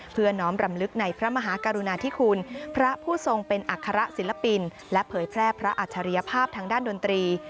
น้อมรำลึกในพระมหากรุณาธิคุณพระผู้ทรงเป็นอัคระศิลปินและเผยแพร่พระอัจฉริยภาพทางด้านดนตรี